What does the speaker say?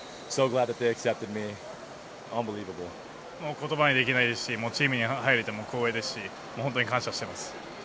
言葉にできないですしチームに入れて光栄ですし本当に感謝しています。